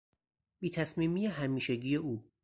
بیتصمیمی همیشگی او